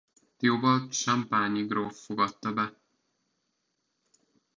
Theobald champagne-i gróf fogadta be.